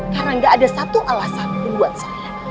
karena nggak ada satu alasan pun buat saya